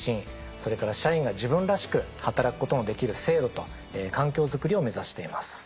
それから社員が自分らしく働くことのできる制度と環境作りを目指しています。